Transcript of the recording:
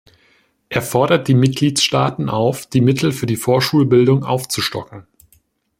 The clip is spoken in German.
Er fordert die Mitgliedstaaten auf, die Mittel für die Vorschulbildung aufzustocken.